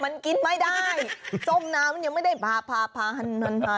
มันกินไม่ได้ส้มน้ำมันยังไม่ได้พาพัน